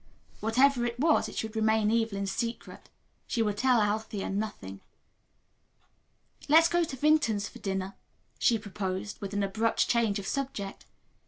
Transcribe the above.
Whatever it was, it should remain Evelyn's secret. She would tell Althea nothing. "Let's go to Vinton's for dinner," she proposed, with an abrupt change of subject.